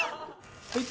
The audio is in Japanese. はい。